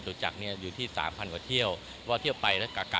บอกว่าบอกว่าคุณจะถึงเกิดไกลที่มาบอกว่า